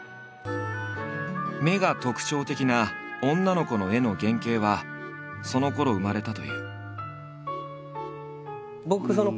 目が特徴的な女の子の絵の原型はそのころ生まれたという。